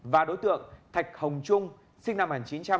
và đối tượng thạch hồng trung sinh năm một nghìn chín trăm chín mươi năm